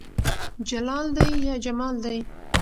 جلال دى يا جمال دى